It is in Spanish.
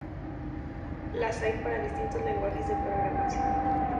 Las hay para distintos lenguajes de programación.